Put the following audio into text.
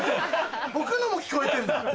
僕のも聞こえてんだ？